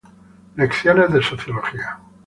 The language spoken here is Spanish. Lecciones de Sociología.